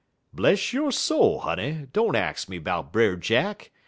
"Bless yo' soul, honey! don't ax me 'bout Brer Jack.